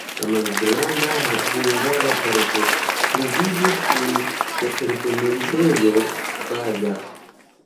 La malgranda hungara parto pluvivis kun departementejo Baja.